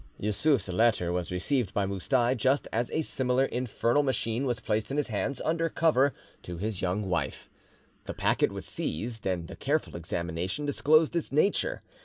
Yussuf's letter was received by Moustai just as a similar infernal machine was placed in his hands under cover to his young wife. The packet was seized, and a careful examination disclosed its nature.